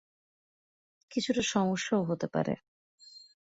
কিছুটা সমস্যাও হতে পারে।